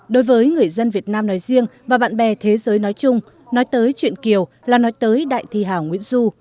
đối với người dân việt nam nói riêng và bạn bè thế giới nói chung nói tới chuyện kiều là nói tới đại thi hà nguyễn du